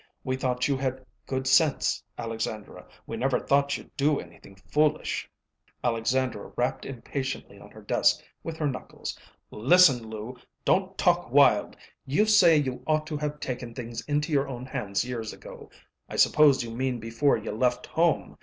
We thought you had good sense, Alexandra. We never thought you'd do anything foolish." Alexandra rapped impatiently on her desk with her knuckles. "Listen, Lou. Don't talk wild. You say you ought to have taken things into your own hands years ago. I suppose you mean before you left home.